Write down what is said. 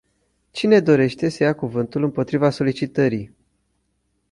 Cine dorește să ia cuvântul împotriva solicitării?